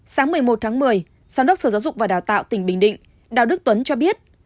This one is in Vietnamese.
sáng một mươi một tháng một mươi giám đốc sở giáo dục và đào tạo tỉnh bình định đào đức tuấn cho biết